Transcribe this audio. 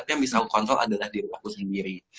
tapi yang bisa aku kontrol adalah diri aku sendiri